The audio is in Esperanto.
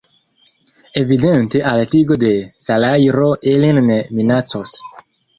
Evidente altigo de salajro ilin ne minacos.